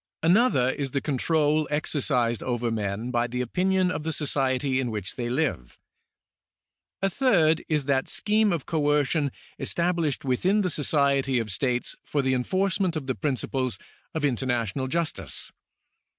Another is the control exercised over men by the opinion of the society in which they live. A third is that scheme of coercion established within the society of states for the enforcement of the principles of international justice.